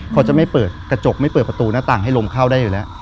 เขาจะไม่เปิดกระจกไม่เปิดประตูหน้าต่างให้ลมเข้าได้อยู่แล้ว